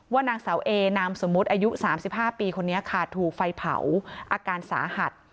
ว่านางสาวเอนามสมมติอายุสามสิบห้าปีคนนี้ขาดถูกไฟเผาอาการสาหัส